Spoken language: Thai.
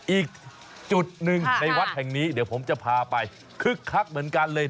อีกจุดหนึ่งในวัดแห่งนี้เดี๋ยวผมจะพาไปคึกคักเหมือนกันเลย